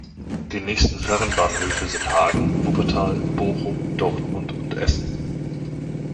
Die nächsten Fernbahnhöfe sind Hagen, Wuppertal, Bochum, Dortmund und Essen.